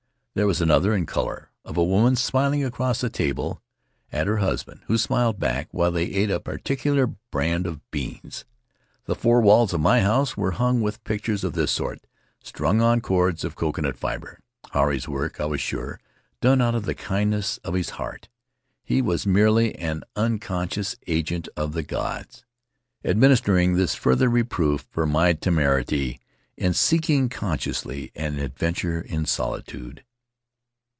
There was another, in color, of a woman smiling across a table at her husband, who smiled back while they ate a particular brand of beans. The four walls of my house were hung with pictures of this sort, strung on cords of coconut fiber — Huirai's work, I was sure, done out of the kindness of his heart. He was merely an uncon scious agent of the gods, administering this further reproof for my temerity in seeking consciously an adventure in solitude.